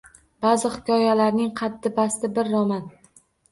Ba’zi hikoyalarining qaddi-bastini bir roman.